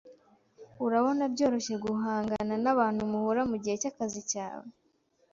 Urabona byoroshye guhangana nabantu muhura mugihe cyakazi cyawe?